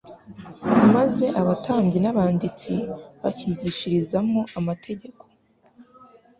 maze abatambyi n'abanditsi bakigishirizamo amategeko.